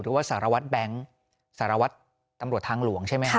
ว่าสารวัตรแบงค์สารวัตรตำรวจทางหลวงใช่ไหมครับ